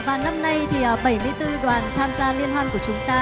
và năm nay thì bảy mươi bốn đoàn tham gia liên hoan của chúng ta